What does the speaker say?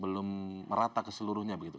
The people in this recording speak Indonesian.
belum merata keseluruhnya begitu